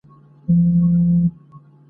سلا نه ورڅخه غواړي چي هوښیار وي `